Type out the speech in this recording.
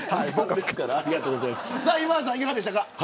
今田さん、いかがでしたか。